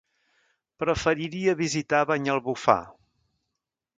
Preferiria visitar Banyalbufar.